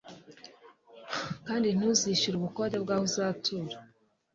kandi ntuzishyure ubukode bwaho uzatura